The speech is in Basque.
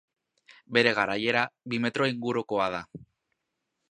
Bere garaiera, bi metro ingurukoa da.